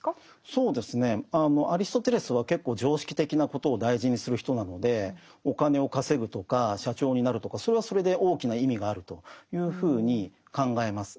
そうですねアリストテレスは結構常識的なことを大事にする人なのでお金を稼ぐとか社長になるとかそれはそれで大きな意味があるというふうに考えます。